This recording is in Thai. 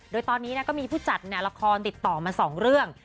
โดยตอนนี้ก็มีผู้จัดละครติดต่อมา๒เรื่อง